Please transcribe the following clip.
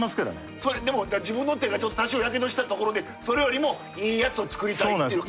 それでも自分の手がちょっと多少やけどしたところでそれよりもいいやつを作りたいっていうか。